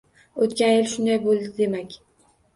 O‘tgan yil shunday bo‘ldi demak…